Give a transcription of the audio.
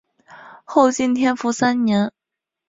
后晋天福三年。